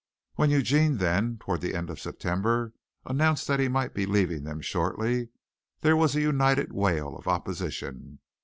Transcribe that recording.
When Eugene then, toward the end of September, announced that he might be leaving them shortly, there was a united wail of opposition.